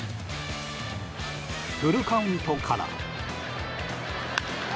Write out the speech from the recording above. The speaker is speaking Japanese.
フルカウントから。